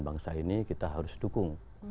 bangsa ini kita harus dukung